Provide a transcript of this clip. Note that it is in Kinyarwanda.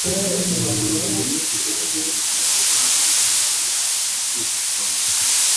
Inzugi nyinshi zikingurirwa umwanzi binyuze mu kwitotomba.